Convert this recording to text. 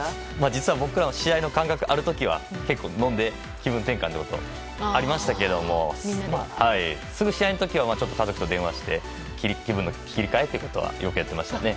実は僕ら試合の間隔があるときは結構、飲んで気分転換をすることありましたけどもすぐ試合の時は家族と電話して気分の切り替えというのはよくやっていましたね。